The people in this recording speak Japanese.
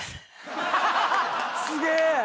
すげえ！